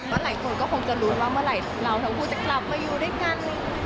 หลายคนก็คงจะรู้ว่าเมื่อไหร่เราทั้งคู่จะกลับมาอยู่ด้วยกัน